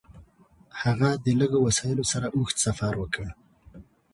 هغه د لږو وسایلو سره اوږد سفر وکړ.